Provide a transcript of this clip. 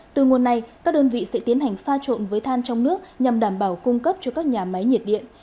từ nguồn này các đơn vị sẽ tiến hành pha trộn với than trong nước nhằm đảm bảo cung cấp cho các nhà máy nhiệt điện